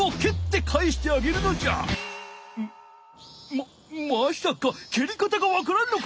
ままさかけり方がわからんのか？